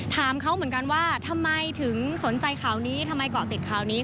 ถามเขาเหมือนกันว่าทำไมถึงสนใจข่าวนี้ทำไมเกาะติดข่าวนี้